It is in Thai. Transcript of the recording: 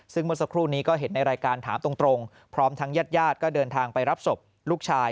ซึ่งเมื่อสักครู่นี้ก็เห็นในรายการถามตรงพร้อมทั้งญาติญาติก็เดินทางไปรับศพลูกชาย